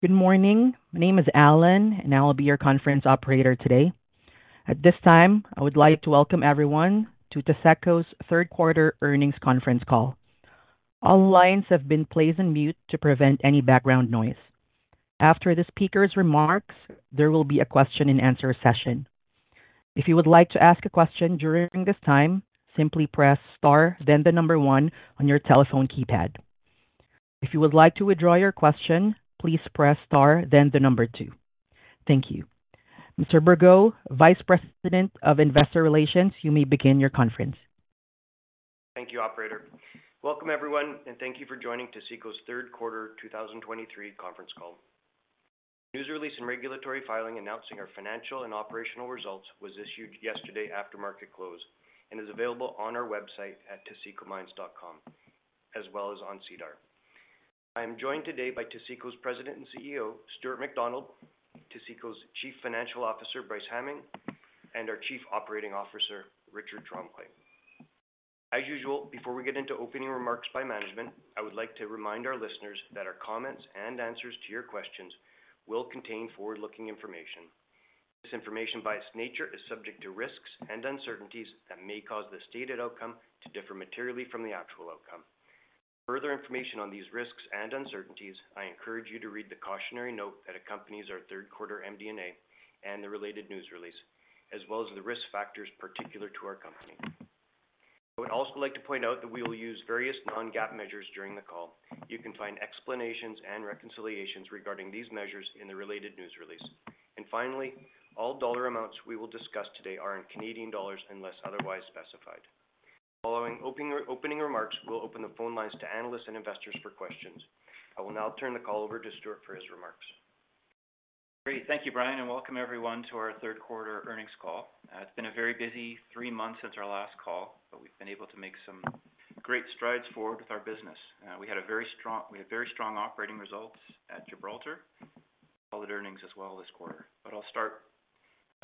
Good morning. My name is Alan, and I will be your conference operator today. At this time, I would like to welcome everyone to Taseko's third quarter earnings conference call. All lines have been placed on mute to prevent any background noise. After the speaker's remarks, there will be a question-and-answer session. If you would like to ask a question during this time, simply press Star, then the number 1 on your telephone keypad. If you would like to withdraw your question, please press Star, then the number 2. Thank you. Mr. Bergot, Vice President of Investor Relations, you may begin your conference. Thank you, operator. Welcome, everyone, and thank you for joining Taseko's third quarter 2023 conference call. News release and regulatory filing announcing our financial and operational results was issued yesterday after market close and is available on our website at tasekomines.com, as well as on SEDAR. I'm joined today by Taseko's President and CEO, Stuart McDonald, Taseko's Chief Financial Officer, Bryce Hamming, and our Chief Operating Officer, Richard Tremblay. As usual, before we get into opening remarks by management, I would like to remind our listeners that our comments and answers to your questions will contain forward-looking information. This information, by its nature, is subject to risks and uncertainties that may cause the stated outcome to differ materially from the actual outcome. Further information on these risks and uncertainties. I encourage you to read the cautionary note that accompanies our third quarter MD&A and the related news release, as well as the risk factors particular to our company. I would also like to point out that we will use various non-GAAP measures during the call. You can find explanations and reconciliations regarding these measures in the related news release. And finally, all dollar amounts we will discuss today are in Canadian dollars unless otherwise specified. Following opening remarks, we'll open the phone lines to analysts and investors for questions. I will now turn the call over to Stuart for his remarks. Great. Thank you, Brian, and welcome everyone to our third quarter earnings call. It's been a very busy three months since our last call, but we've been able to make some great strides forward with our business. We had very strong operating results at Gibraltar, solid earnings as well this quarter. But I'll start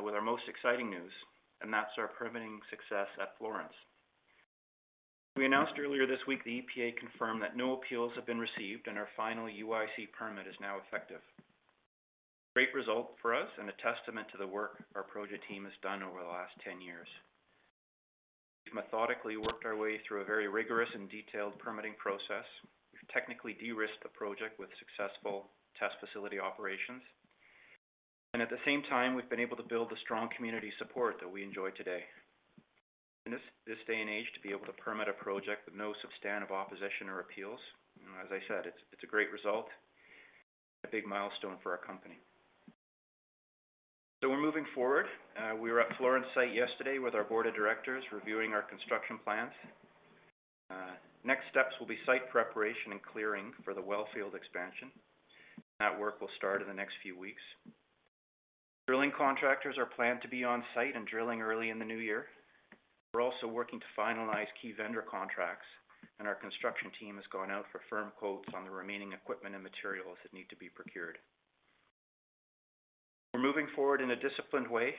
with our most exciting news, and that's our permitting success at Florence. We announced earlier this week. The EPA confirmed that no appeals have been received and our final UIC permit is now effective. Great result for us and a testament to the work our project team has done over the last 10 years. We've methodically worked our way through a very rigorous and detailed permitting process. We've technically de-risked the project with successful test facility operations, and at the same time, we've been able to build the strong community support that we enjoy today. In this day and age, to be able to permit a project with no substantive opposition or appeals, as I said, it's a great result, a big milestone for our company. So we're moving forward. We were at Florence site yesterday with our board of directors, reviewing our construction plans. Next steps will be site preparation and clearing for the wellfield expansion. That work will start in the next few weeks. Drilling contractors are planned to be on site and drilling early in the new year. We're also working to finalize key vendor contracts, and our construction team has gone out for firm quotes on the remaining equipment and materials that need to be procured. We're moving forward in a disciplined way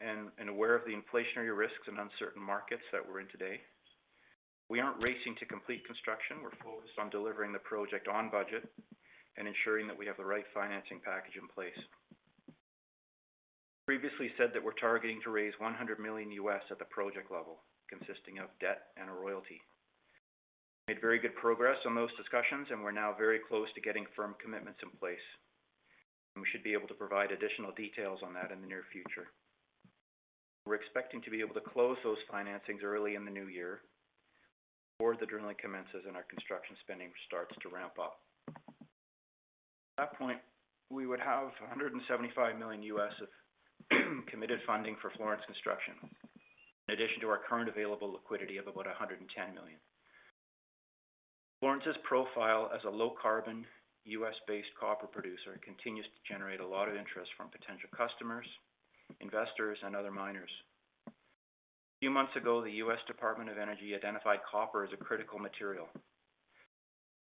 and aware of the inflationary risks and uncertain markets that we're in today. We aren't racing to complete construction. We're focused on delivering the project on budget and ensuring that we have the right financing package in place. Previously said that we're targeting to raise $100 million at the project level, consisting of debt and a royalty. Made very good progress on those discussions, and we're now very close to getting firm commitments in place. We should be able to provide additional details on that in the near future. We're expecting to be able to close those financings early in the new year, before the drilling commences and our construction spending starts to ramp up. At that point, we would have $175 million of committed funding for Florence construction, in addition to our current available liquidity of about $110 million. Florence's profile as a low-carbon, U.S.-based copper producer continues to generate a lot of interest from potential customers, investors, and other miners. A few months ago, the U.S. Department of Energy identified copper as a critical material.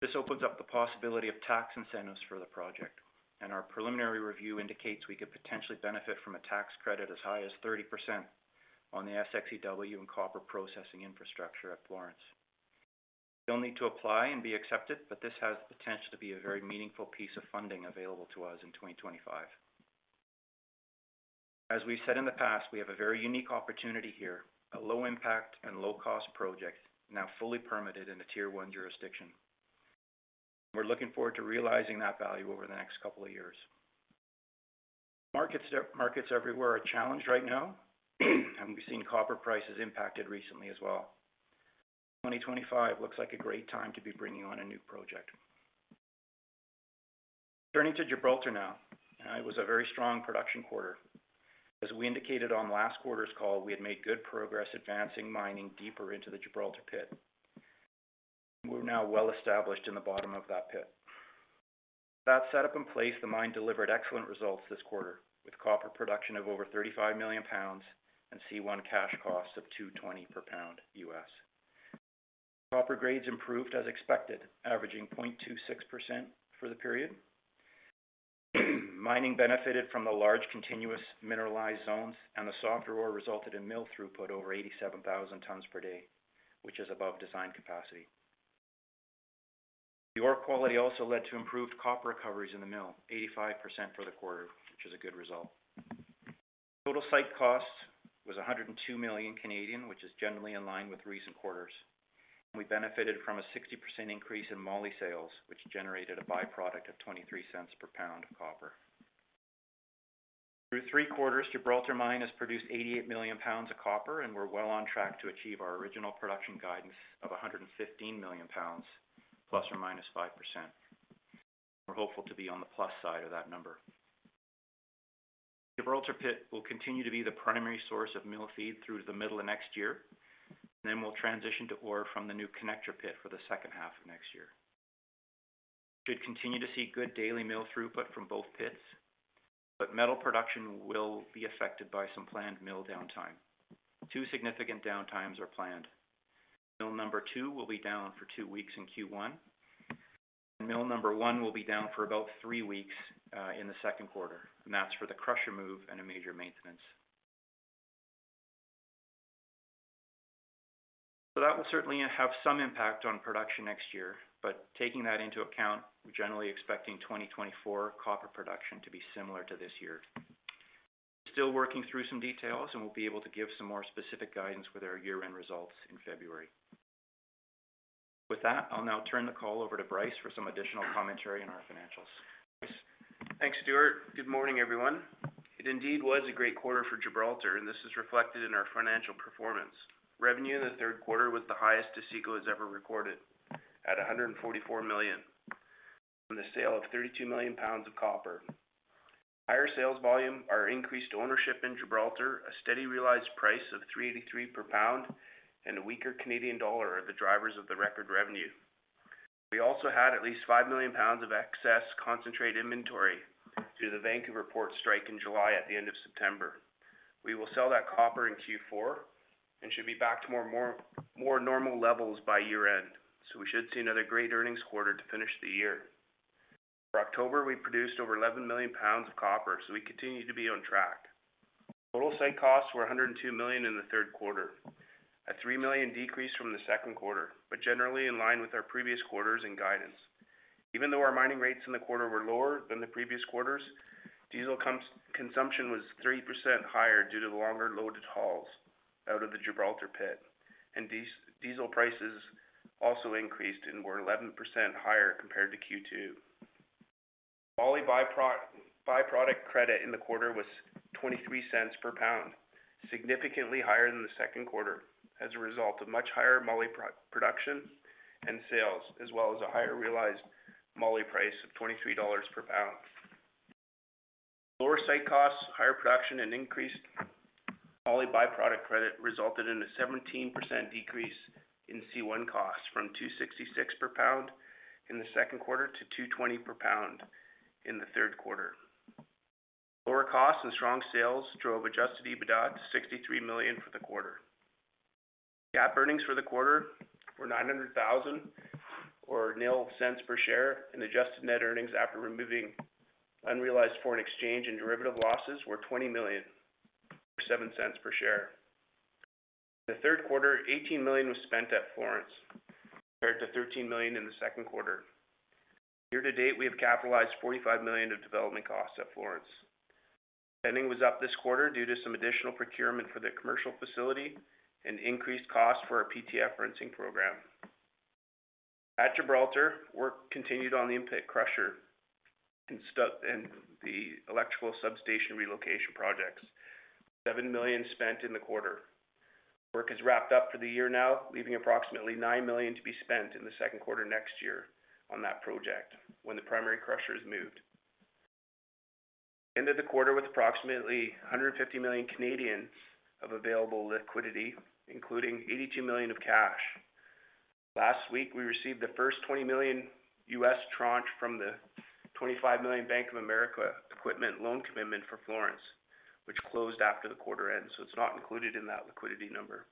This opens up the possibility of tax incentives for the project, and our preliminary review indicates we could potentially benefit from a tax credit as high as 30% on the SX/EW and copper processing infrastructure at Florence. We'll need to apply and be accepted, but this has the potential to be a very meaningful piece of funding available to us in 2025. As we've said in the past, we have a very unique opportunity here, a low impact and low cost project now fully permitted in a Tier 1 jurisdiction. We're looking forward to realizing that value over the next couple of years. Markets, markets everywhere are challenged right now, and we've seen copper prices impacted recently as well. 2025 looks like a great time to be bringing on a new project. Turning to Gibraltar now, it was a very strong production quarter. As we indicated on last quarter's call, we had made good progress advancing mining deeper into the Gibraltar Pit. We're now well established in the bottom of that pit. That set up in place, the mine delivered excellent results this quarter, with copper production of over 35 million pounds and C1 cash costs of $2.20 per pound. Copper grades improved as expected, averaging 0.26% for the period. Mining benefited from the large, continuous mineralized zones, and the softer ore resulted in mill throughput over 87,000 tons per day, which is above design capacity. The ore quality also led to improved copper recoveries in the mill, 85% for the quarter, which is a good result. Total site cost was 102 million, which is generally in line with recent quarters, and we benefited from a 60% increase in moly sales, which generated a byproduct of $0.23 per pound of copper. Through three quarters, Gibraltar Mine has produced 88 million pounds of copper, and we're well on track to achieve our original production guidance of 115 million pounds, ±5%. We're hopeful to be on the plus side of that number. Gibraltar Pit will continue to be the primary source of mill feed through to the middle of next year, and then we'll transition to ore from the new Connector Pit for the second half of next year. We should continue to see good daily mill throughput from both pits, but metal production will be affected by some planned mill downtime. Two significant downtimes are planned. Mill number 2 will be down for two weeks in Q1, and mill number 1 will be down for about three weeks in the second quarter, and that's for the crusher move and a major maintenance. So that will certainly have some impact on production next year, but taking that into account, we're generally expecting 2024 copper production to be similar to this year. Still working through some details, and we'll be able to give some more specific guidance with our year-end results in February. With that, I'll now turn the call over to Bryce for some additional commentary on our financials. Bryce? Thanks, Stuart. Good morning, everyone. It indeed was a great quarter for Gibraltar, and this is reflected in our financial performance. Revenue in the third quarter was the highest Taseko has ever recorded, at 144 million, from the sale of 32 million pounds of copper. Higher sales volume, our increased ownership in Gibraltar, a steady realized price of $3.83 per pound, and a weaker Canadian dollar are the drivers of the record revenue. We also had at least 5 million pounds of excess concentrate inventory due to the Vancouver Port strike in July at the end of September. We will sell that copper in Q4 and should be back to more normal levels by year-end, so we should see another great earnings quarter to finish the year. For October, we produced over 11 million pounds of copper, so we continue to be on track. Total site costs were 102 million in the third quarter, a 3 million decrease from the second quarter, but generally in line with our previous quarters and guidance. Even though our mining rates in the quarter were lower than the previous quarters, diesel consumption was 30% higher due to the longer loaded hauls out of the Gibraltar pit, and diesel prices also increased and were 11% higher compared to Q2. Moly byproduct credit in the quarter was $0.23 per pound, significantly higher than the second quarter, as a result of much higher moly production and sales, as well as a higher realized moly price of $23 per pound. Lower site costs, higher production, and increased moly byproduct credit resulted in a 17% decrease in C1 costs from $2.66 per pound in the second quarter to $2.20 per pound in the third quarter. Lower costs and strong sales drove adjusted EBITDA to $63 million for the quarter. GAAP earnings for the quarter were $900,000 or 0 cents per share, and adjusted net earnings after removing unrealized foreign exchange and derivative losses were $20 million or 7 cents per share. In the third quarter, $18 million was spent at Florence, compared to $13 million in the second quarter. Year to date, we have capitalized $45 million of development costs at Florence. Spending was up this quarter due to some additional procurement for the commercial facility and increased costs for our PTF running program. At Gibraltar, work continued on the in-pit crusher and the electrical substation relocation projects. 7 million spent in the quarter. Work is wrapped up for the year now, leaving approximately 9 million to be spent in the second quarter next year on that project when the primary crusher is moved. Ended the quarter with approximately 150 million of available liquidity, including 82 million of cash. Last week, we received the first $20 million U.S. tranche from the $25 million Bank of America equipment loan commitment for Florence, which closed after the quarter end, so it's not included in that liquidity number.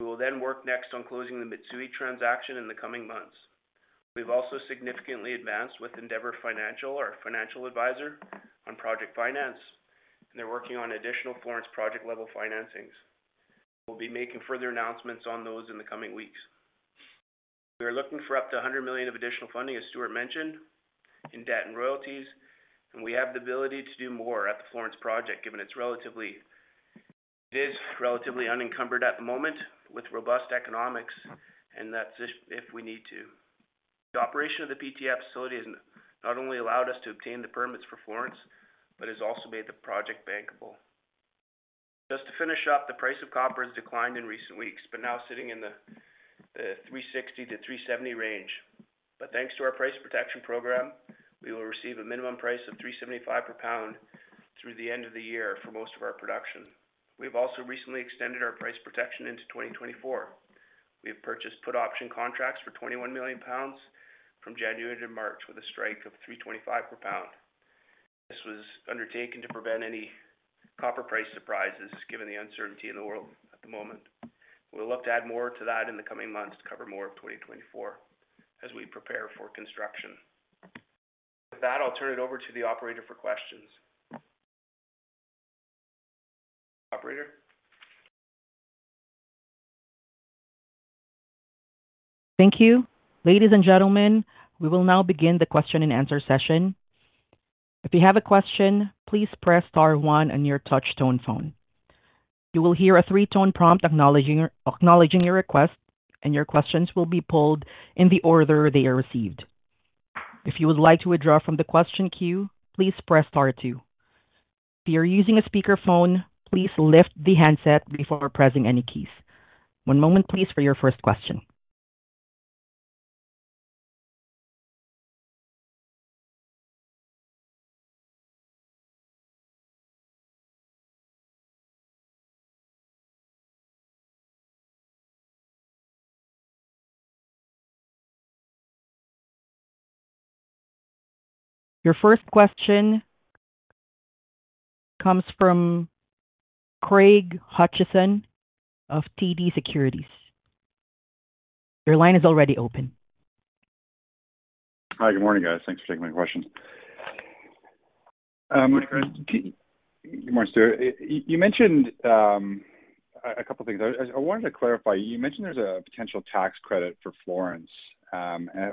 We will then work next on closing the Mitsui transaction in the coming months. We've also significantly advanced with Endeavour Financial, our financial advisor, on project finance, and they're working on additional Florence project-level financings. We'll be making further announcements on those in the coming weeks. We are looking for up to $100 million of additional funding, as Stuart mentioned, in debt and royalties, and we have the ability to do more at the Florence project, given it's relatively, it is relatively unencumbered at the moment with robust economics, and that's if, if we need to. The operation of the PTF facility has not only allowed us to obtain the permits for Florence, but has also made the project bankable. Just to finish up, the price of copper has declined in recent weeks, but now sitting in the $3.60-$3.70 range. But thanks to our price protection program, we will receive a minimum price of $3.75 per pound through the end of the year for most of our production. We've also recently extended our price protection into 2024. We have purchased put option contracts for 21 million pounds from January to March with a strike of $3.25 per pound. This was undertaken to prevent any copper price surprises, given the uncertainty in the world at the moment.... We'll look to add more to that in the coming months to cover more of 2024 as we prepare for construction. With that, I'll turn it over to the operator for questions. Operator? Thank you. Ladies and gentlemen, we will now begin the question-and-answer session. If you have a question, please press star one on your touchtone phone. You will hear a three-tone prompt acknowledging your request, and your questions will be pulled in the order they are received. If you would like to withdraw from the question queue, please press star two. If you're using a speakerphone, please lift the handset before pressing any keys. One moment please, for your first question. Your first question comes from Craig Hutchison of TD Securities. Your line is already open. Hi, good morning, guys. Thanks for taking my questions. Good morning, Stuart. You mentioned a couple of things. I wanted to clarify. You mentioned there's a potential tax credit for Florence.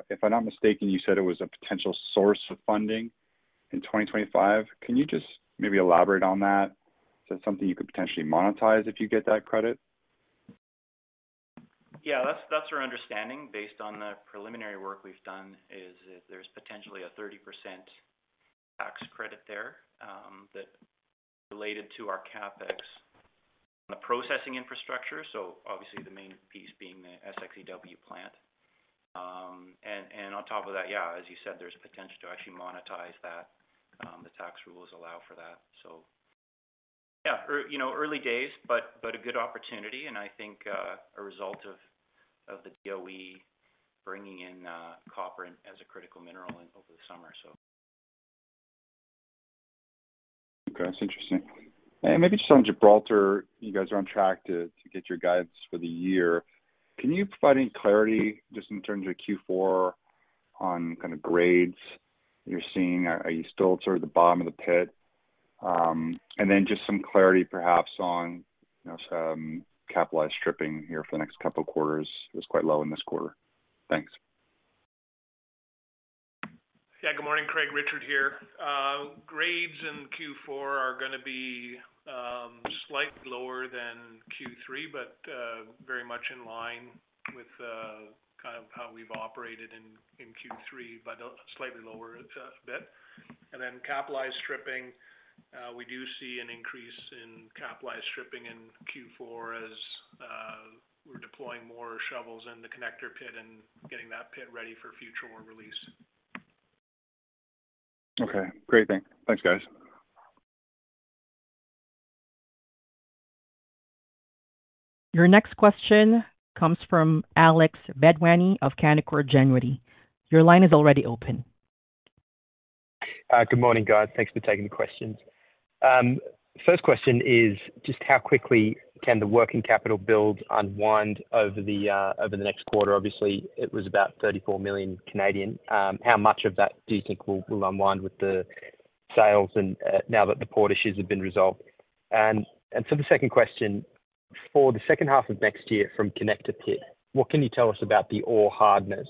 If I'm not mistaken, you said it was a potential source of funding in 2025. Can you just maybe elaborate on that? Is that something you could potentially monetize if you get that credit? Yeah, that's our understanding, based on the preliminary work we've done, is that there's potentially a 30% tax credit there that related to our CapEx on the processing infrastructure, so obviously the main piece being the SXEW plant. And on top of that, yeah, as you said, there's potential to actually monetize that. The tax rules allow for that. So yeah, you know, early days, but a good opportunity, and I think a result of the DOE bringing in copper as a critical mineral over the summer, so. Okay, that's interesting. And maybe just on Gibraltar, you guys are on track to get your guidance for the year. Can you provide any clarity just in terms of Q4, on kind of grades you're seeing? Are you still at sort of the bottom of the pit? And then just some clarity, perhaps on, you know, some capitalized stripping here for the next couple of quarters. It was quite low in this quarter. Thanks. Yeah, good morning, Craig. Richard here. Grades in Q4 are going to be slightly lower than Q3, but very much in line with kind of how we've operated in Q3, but slightly lower bit. And then capitalized stripping, we do see an increase in capitalized stripping in Q4 as we're deploying more shovels in the Connector Pit and getting that pit ready for future ore release. Okay, great. Thanks. Thanks, guys. Your next question comes from Alex Bedwany of Canaccord Genuity. Your line is already open. Good morning, guys. Thanks for taking the questions. First question is, just how quickly can the working capital build unwind over the next quarter? Obviously, it was about 34 million. How much of that do you think will unwind with the sales and now that the port issues have been resolved? And for the second question, for the second half of next year from Connector Pit, what can you tell us about the ore hardness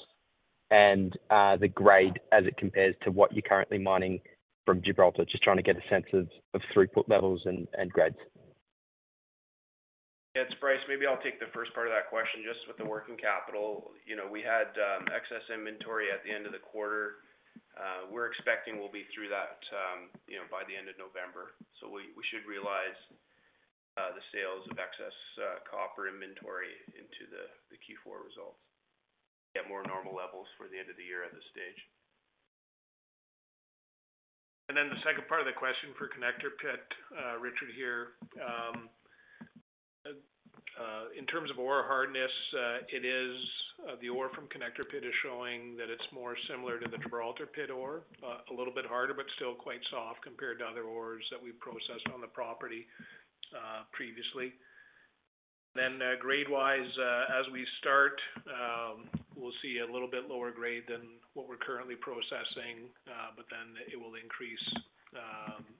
and the grade as it compares to what you're currently mining from Gibraltar? Just trying to get a sense of throughput levels and grades. Yeah, it's Bryce. Maybe I'll take the first part of that question just with the working capital. You know, we had excess inventory at the end of the quarter. We're expecting we'll be through that, you know, by the end of November. So we should realize the sales of excess copper inventory into the Q4 results. Get more normal levels for the end of the year at this stage. And then the second part of the question for Connector Pit, Richard here. In terms of ore hardness, it is the ore from Connector Pit is showing that it's more similar to the Gibraltar Pit ore. A little bit harder, but still quite soft compared to other ores that we've processed on the property, previously. Then, grade-wise, as we start, we'll see a little bit lower grade than what we're currently processing, but then it will increase,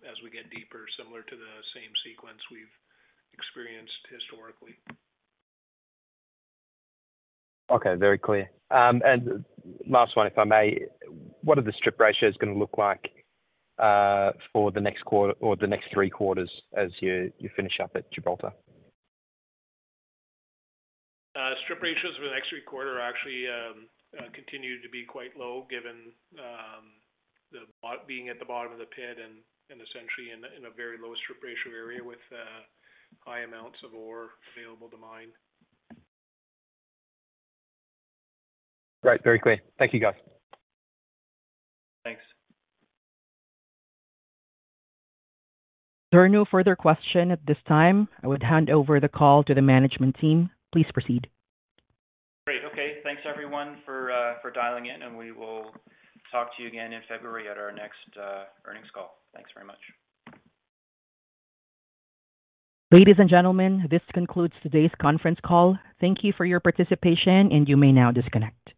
as we get deeper, similar to the same sequence we've experienced historically. Okay, very clear. Last one, if I may. What are the strip ratios going to look like for the next quarter or the next three quarters as you finish up at Gibraltar? Strip ratios for the next three quarters actually continue to be quite low, given the bottom being at the bottom of the pit and essentially in a very low strip ratio area with high amounts of ore available to mine. Great. Very clear. Thank you, guys. Thanks. There are no further questions at this time. I would hand over the call to the management team. Please proceed. Great. Okay, thanks, everyone, for dialing in, and we will talk to you again in February at our next earnings call. Thanks very much. Ladies and gentlemen, this concludes today's conference call. Thank you for your participation, and you may now disconnect.